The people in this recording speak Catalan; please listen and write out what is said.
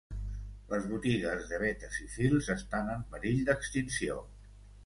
Les botigues de vetes i fils estan en perill d'extinció